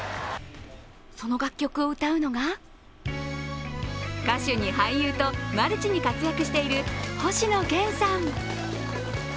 その楽曲を歌うのが、歌手に俳優とマルチに活躍している星野源さん。